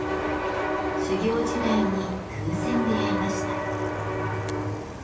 修業時代に偶然出会いました。